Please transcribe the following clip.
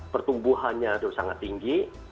pertumbuhannya itu sangat tinggi